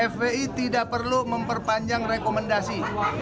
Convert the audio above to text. fpi tidak perlu memperpanjang rekomendasi